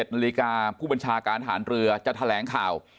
๑นาฬิกาผู้บัญชาการฐานเรือจะแถลงข่าว